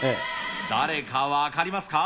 誰か分かりますか。